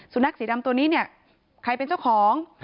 สุนัขสีดำตัวนี้เนี่ยใครเป็นเจ้าของ